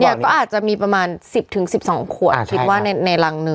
ก็อาจจะมีประมาณ๑๐๑๒ขวดคิดว่าในรังหนึ่ง